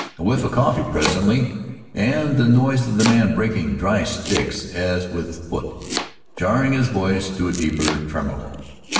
A whiff of coffee, presently, and the noise of the man breaking dry sticks, as with his foot, jarring his voice to a deeper tremolo.